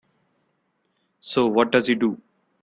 So what does he do?